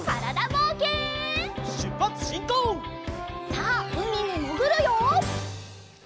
さあうみにもぐるよ！